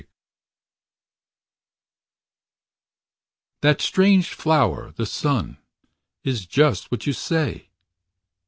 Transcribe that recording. pdf That strange flower, the sun. Is just what you say.